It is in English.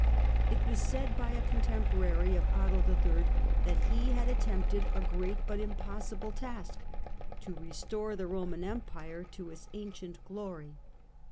It was said by a contemporary of Otto III. that he had attempted a great but impossible Kk — to restore the Roman Empire to its ancient glory.